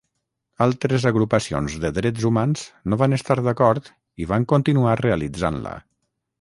Altres agrupacions de drets humans no van estar d'acord i van continuar realitzant-la.